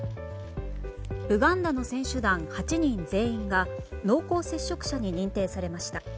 ウガンダの選手団８人全員が濃厚接触者に認定されました。